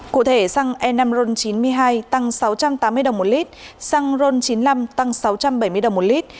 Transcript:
cụ thể xăng enamron chín mươi hai tăng sáu trăm tám mươi đồng một lít xăng ron chín mươi năm tăng sáu trăm bảy mươi đồng một lít